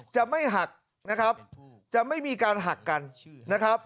จะไม่หักนะครับจะไม่มีการหักกันนะครับ